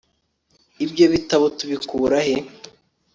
ibyo bitabo tubikura he